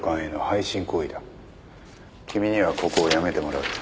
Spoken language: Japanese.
君にはここを辞めてもらう。